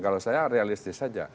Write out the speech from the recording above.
kalau saya realistis saja